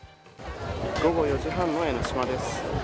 午後４時半の江の島です。